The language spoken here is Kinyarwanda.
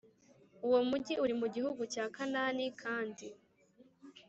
Uwo mugi uri mu gihugu cya Kanani kandi